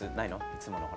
いつもの？